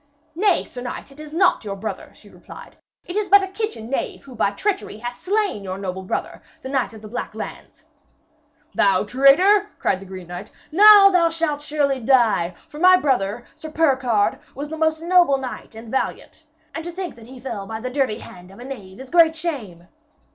'Nay, sir knight, it is not your brother,' she replied. 'It is but a kitchen knave who by treachery hath slain your noble brother, the Knight of the Black Lands.' 'Thou traitor!' cried the green knight. 'Now shalt thou surely die, for my brother, Sir Percard, was a most noble knight and a valiant. And to think that he fell by the dirty hand of a knave is great shame.'